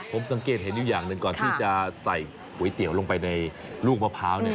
ผมสังเกตเห็นอยู่อย่างหนึ่งก่อนที่จะใส่ก๋วยเตี๋ยวลงไปในลูกมะพร้าว